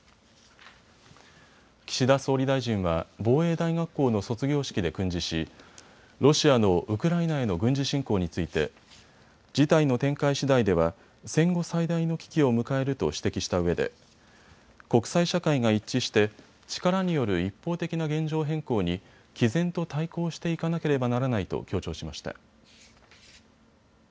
岸田総理大臣は防衛大学校の卒業式で訓示しロシアのウクライナへの軍事侵攻について事態の展開しだいでは戦後最大の危機を迎えると指摘したうえで国際社会が一致して力による一方的な現状変更にきぜんと対抗していかなければならないと強調しました。